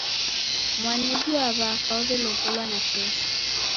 Mwanidu wa waka waw'elow'olwa nakesho